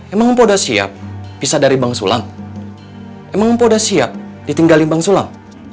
emang udah siap bisa dari bang sulam emang udah siap ditinggalin bang sulam